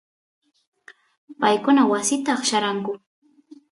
paykuna wasita aqllaranku